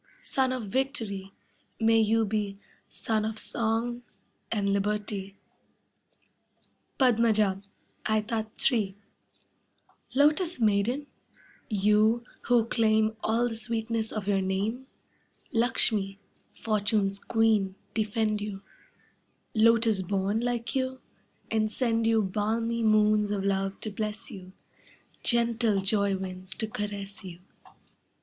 Sun of victory, may you be Sun of song and liberty. Padmaja, aetat 3 Lotus maiden, you who claim All the sweetness of your name, Lakshmi, fortune's queen, defend you, Lotus born like you, and send you Balmy moons of love to bless you, Gentle joy winds to caress you.